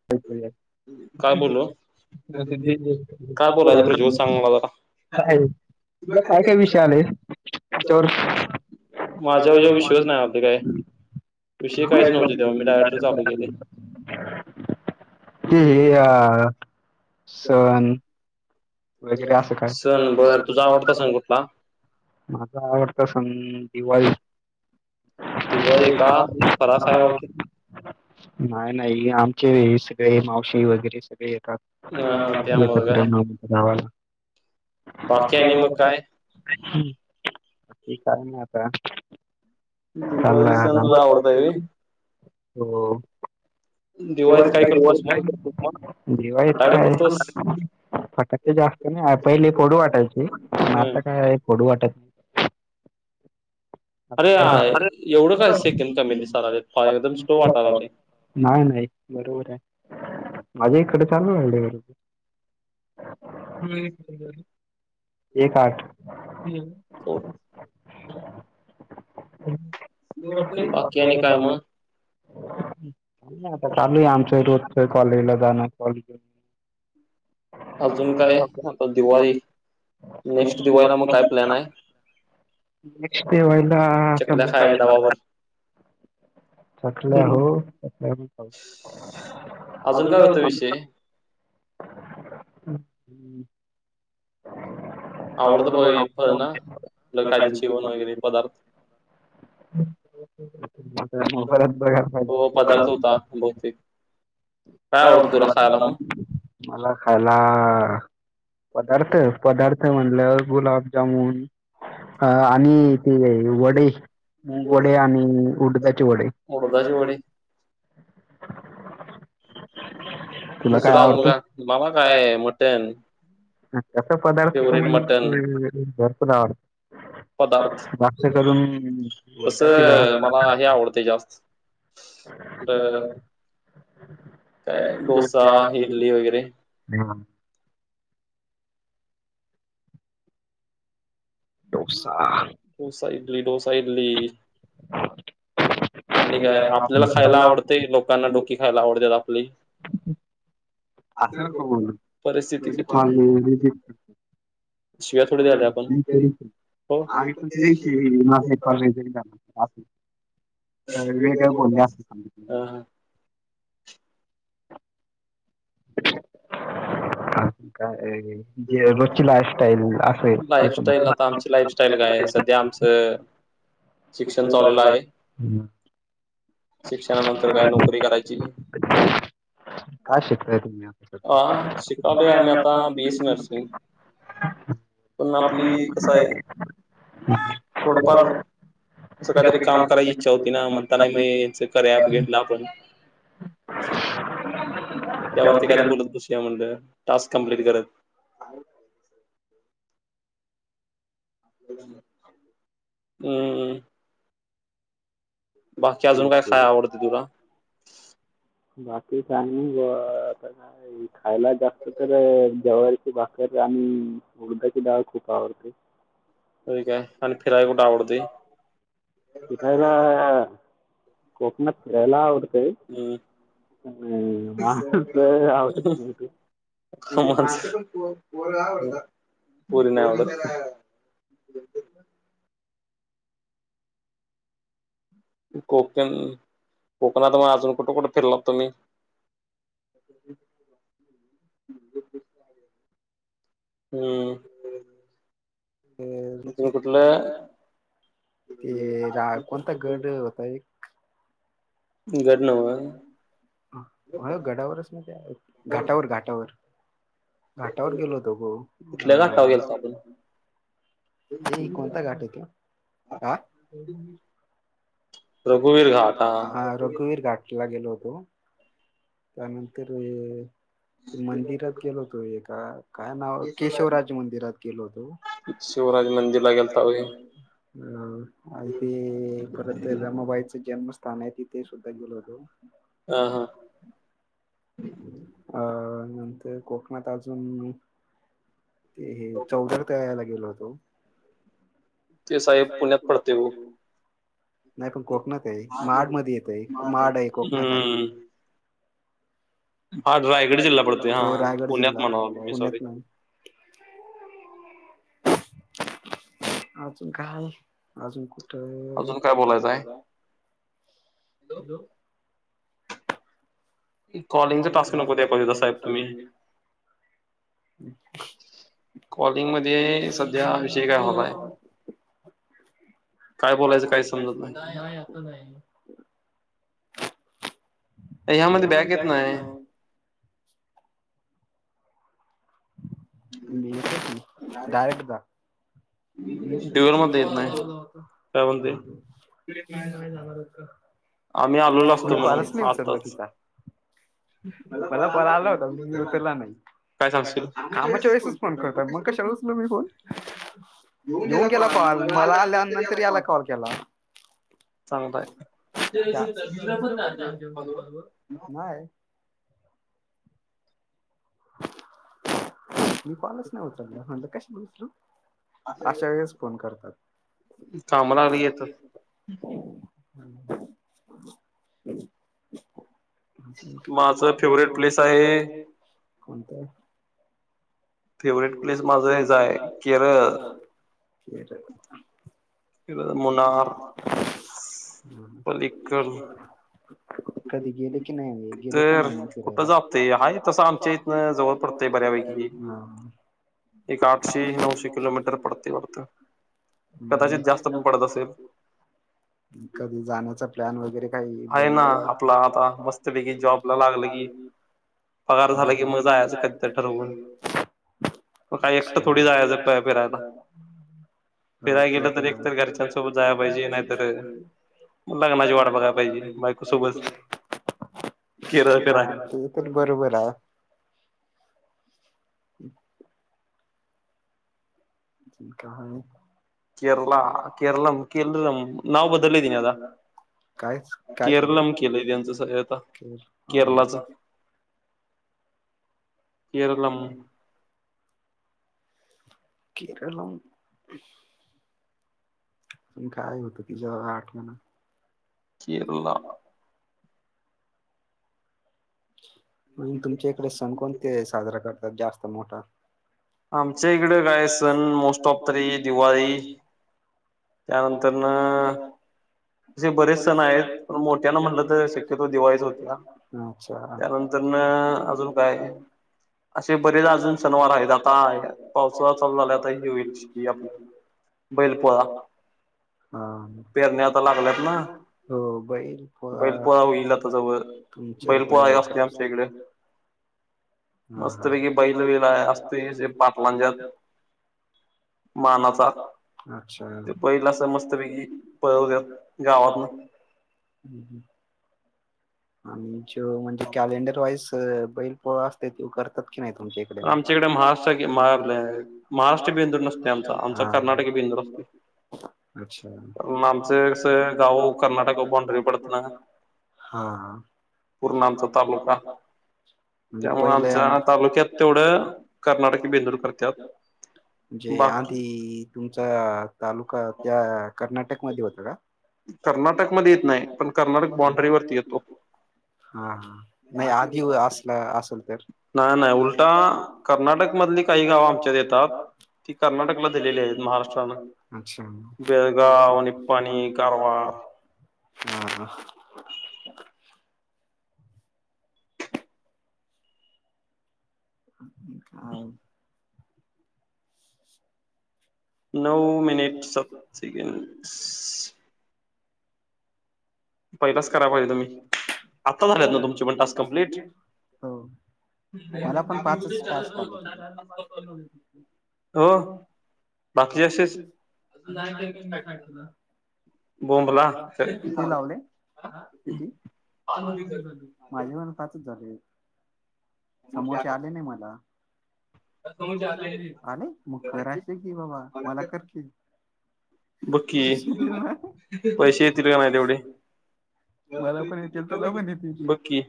[unintelligible] काय बोलू काय बोलायचं प्रज्वल सांग मला जरा [unintelligible] तुला काय काय विषय आले त्यांच्यावर. माझ्यावर तुझं विश्वास नाही वाटत काय. विषय काहीच नव्हते तेव्हा मी डायरेक्टर चालू केले [unintelligible] ते हा सण. वगैरे असं काय सण बर तुझा आवडता सण कुठला [unintelligible] [inaudible] माझा आवडता सण दिवाळी. दिवाळी का फराळ काय गावते [unintelligible] नाही नाही आमचे सगळे मावशी वगैरे सगळे येतात. ह हा त्यामुळे काय बाकी आणि मग काय [unintelligible] ती काय नाही आता [unintelligible] चा दिवाळी सण तुझा आवडता हो आहे व्हय [unintelligible] [unintelligible] ते दिवाळीत काय जास्त करतोस मग फटाकडे फोडतोस नाही पहिले फोडू वाटायचे पण हम्म आता काय आहे फोडू वाटत नाय. आता अरे काय एवढं काय करता? सेकंड कमी अरे दिसायले एकदम सोल वाटालाले. नाही नाही बरोबर आहे माझ्या इकडे चालू राले. एक आठ एक [unintelligible] दोन बाकी आणि काय मग [unintelligible] आता चालू आहे आमच्या रोजच. कॉलेजला जाते कालजे अजून काय आता दिवाळी नेक्स्ट दिवाळीला मग काय प्लॅन आहे [unintelligible] [inaudible] त [unintelligible] चकल्या खायच्या डबावर [inaudible] अजून काय होतं विषय [unintelligible] [unintelligible] [unintelligible] [unintelligible] [unintelligible] आवडतं प- हे फळ ना आपलं काय ते जेवण वगैरे पदार्थ तो पदार्थ होता बहुतेक काय आवडतं तुला खायला मग मला खाला. पदार्थ पदार्थ म्हणलं वर गुलाबजामून. आणि ते वडे. वडे आणि उडदाचे वडे. उडदाचे वडे. [unintelligible] दुसर अजून आवडतं काय मामा काय मटन. रस पदार्थ फेवरेट मटन जरत आवडत. पदार्थ तस उडदाचे डाळ. मला हे आवडते जास्त. ब [unintelligible] काय डोसा इडली वगैरे हम् [unintelligible] डोसा आ. डोसा इडली, डोसा इडली. आणि ठीक काय आहे आपल्याला खायला कळला आवडतेय लोकांना डोकी खायला आवडते आपली अस नको बोलू परिस्थिती कठीण आहे शिव्या ित थोडी द्यायला आपण [unintelligible] हो हा वेगळ बोलणे अस सांगितल. हा [unintelligible] लाईफस्टाईल आता आमची लाईफस्टाईल काय सध्या आमचं शिक्षण चाललेलं पण. आहे. हम्म. शिक्षणानंतर काय नोकरी करायची [unintelligible] काय शिकताय तुम्ही हा शिकालोय आम्ही आता बीएससी नर्सिंग पण आपली कसं आहे थोडंफार असं काहीतरी काम करायची इच्छा होती ना म्हणताना म कार्या ॲप घेतलं आपण [inaudible] त्यावरती काय ते बोलत बसूया म्हणलं टास्क कंम्पलिट करत. हम्मम्. बाकी अजून काय खाय आवडते तुला [unintelligible] बाकी चांगली ब आता काये. खायला जास्त तर जवारीची भाकर आणि उडदाची डाळ खूप आवडते. आणि काय आणि फिराया कुठे आवडते? फिरायला कोकणात फिरायला आवडते. हम्म, [unintelligible] पोरी नाही आवडत. कोकण कोकणात मग अजून कुठ कुठ फिरलात तुम्ही? हम्म. तुम्ही कुठलं ते रा कोणता गड होता एक गड नव्ह. हो गडावरच ना त्या घाटावर घाटावर घाटावर गेलो होतो गो कुठल्या घाटावर आआ गेलतो आपण ऐ कोणता घाट होता आ. रघुवीर घाट हा रघुवीर घाटला गेलो होतो. त्यानंतर अअ मंदिरात गेलो होतो एका काय नाव केशवराज मंदिरात गेलो होतो. शिवराज केशवराज मंदिरला मंदिराला गेलता होय गेलता. आणि ते परत रमाबाईचं जन्मस्थान आहे तिथे सुद्धा गेलो होतो. आ हां. अ नंतर कोकणात अजून ते हे चवदार तळ्याला गेलो होतो. ते साहेब पुण्यात पडते हो. नाही पण कोकणात आहे महाड मध्ये येत आहे महाड आहे कोकणात आहे. हम्म हा रायगड जिल्हा पडतोय हा तो रायगड पुण्यात जिल्हा म्हणाव मी सॉरी पुण्यात नाही [inaudible] अजून काय हाव अजून अजून काय बोलायचं आहे [unintelligible] हे कॉलिंगचा टस्क नको द्याला पाहिजे होता साहेब तुम्ही मी [inaudible] कॉलिंग मध्ये सध्या विषय काय हवाय. काय बोलायचं काय समजत नाही. नाही आता नाही. ह्यामध्ये बॅग येत नाही. बी डायरेक्ट का. नाही ड्युअल वा मध्ये येत म पण नाही आला होता. काय म्हणते म जाणार आम्ही आलेलो हो असतो म्हणून मीलच नाही उचरलं आताच तिचा. मला बला आला होता मी उतरला नाही काय सांगशील काम. चोवीस पण करतात मग कशाला उचल फोन. येऊन गला कॉल मला आल्या नंतर याला कॉल केला. चांग पणॉ. क्या नाही मी पाॉलच नाही उतरला म्हणलं कशी बचलो. अशा वेळेस फोन करतात. कामाला लागली की ह. येतात माझ फेवर्हेट प्लेस आहे कोणत. फेवरेट प्लेस माझा हचाय केरळ. कर. म. मुला. पलीकल कधी गेले की नाही गेले का तर नाही म कुठं फिरायला क जापते आहे तसं कस आमच्या आ इथनं जवळ पडतंय जतय बऱ्या. बऱ्यापैकी एक आठशे ह नऊशे किलोमीटर. पडते वाटतं म. कदाचित जास्त पण पडत असेल कधी जाण्याचा प्लॅन वगैरे काही आहे ना बनव. आपला आता मस्तपैकी जॉब ला लागलं की. पगार झाला पाार की मग मजा जायचं कधीतरी ठरवून आहे. मग काही एकटं थोडी जायचं फिरायला हो फिरायला ते गेलं तर एकत घर. घरच्या सो बत जायला पाहिजे नाही तरर लग्नाची वाट बघाय पाहिजे तर बायकोसोबत. आहे. हा ते तर बरोबर आहे. हम्. ठी का आहे ह. केरला केरलाम केरम नाव बदलदिन अता. कायच काय केरळ केलं म केलंय त्यांचंग आता केरळ केरलाचं. केरळम. केरळम. प काय होतं तिच्या आठवण. केरला. आणि तुमच्या इकडे सण कोणते साजरा करतात जास्त मोठा. आमच्या इकडे काय सण मोस्ट ऑफ त ररी दिवाळी. त्यानंतर न आपले बरेच सण आहेत, पण मोठ्याने म्हणटलं तर शक्यतो दिवाळीच होते. त्यानंतरन अजून काय असे बरेच अजून सम वार आहेत, आता पावसाळा चालू झालाय आता हे होईल हे आपलं आहे? बैलपोळा पेरण्या हा आता लागल्यात ना हो बैल बैलपोळा प. होईल आता जवळ कडे बैलपोळा असते आमच्या इकडे न. मस्तपैकी की बैल वेला बला अस असते पाच पाटलांच्यात मजत. म मानाचा अच ते बैल असं समत मस्तपैकी पळवत्यात गाव. गावातन हम् हम्. आणि ज म्हणजे कॅलेंडर वाईज बैल पोळा असते त करतात की नाही तुमच्या. आमच्याकडे महाराष्ट्र आमच्या इ मार महाराष्ट्र मार बेंदूर नसते आमचा बिंदिटी आमचा कर्नाटकी कर्नाटक बेंदूर बिंदि. असतो अच्छा! म आमचं अस गाव कर्नाटक बॉडंरी वर पडत ना. हां हा पूर्ण आमचा शिवग्रामपूर तालुका म्हणजे पहिल्यां शिवग्राम तालुक्यांत. कडं कर्नाटक ते बेंदूर करत्यात बाकी ई तुमचा तालुका त्या कर्नाटकमध्ये होता का? कर्नाटकमध्ये येत नाही पण कर्नाटक बाँड्रीवरती येतों, हां हां नाही आधी हो आसला आसलं तर ना नाही उलटा कर्नाटक मधली काही गावं आमच्या येतात. ती ते कर्नाटकला कर्नाटकमध्ये दिलेली आहेत दिलेलं महाराष्ट्रानं महाराष्ट्राने, अच्छा बेळगांव अण कारवार. हां हां. [unintelligible] नऊ मिनिटं सात सेकंद मिनिट स. पहिलाच कराय पाहिजे तुम्ही. आत्ता झाल्यात न तुमची पण टास्क कंप्लीट? हो. मला पण पाचच टास्क आलेत. हो बाकी असेच? अजून जायाच मी साईटला. बोंबला! किती लावले? आं किती? पाच [unintelligible] माझे पण पाचच झाले, समोरचे आले नाही मला. मला समोरचे आलेलेत. आले! मग करायचे की बाबा मला करकी. अशी दिलं ना. किती आहेत? पैशे आहेत की तुझ्या माया की तेवढे? मला पण येतील तुला पण येतील बघं की.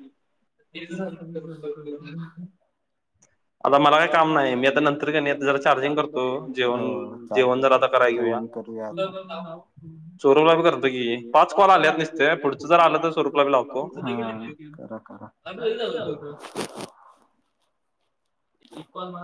[inaudible] आता मला काही काम नाही, मी आता नंतर का नाही, आता जरा चार्जिंग करतो. जेवण जेवण जर आता कराय घेऊया. नाव [unintelligible] तेवढं माझ झालत की, पाच कॉल आलत्यात निस्त्या पुढचं जर आलं तर स्वरूपला लावतो. हा हं करा करा. मला त वेगळंच आलं होतं. गोपाल वाघ.